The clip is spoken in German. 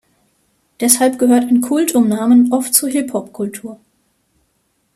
Deshalb gehört ein Kult um Namen oft zur Hip-Hop-Kultur.